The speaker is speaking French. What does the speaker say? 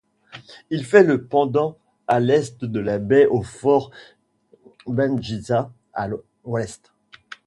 Il fait le pendant à l'est de la baie au fort Bengħisa à l'ouest.